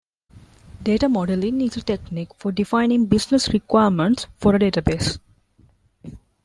Data modeling is a technique for defining business requirements for a database.